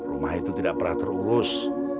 rumah itu tidak pernah terurus